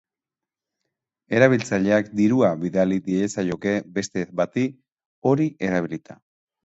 Erabiltzaileak dirua bidali diezaioke beste bati, hori erabilita.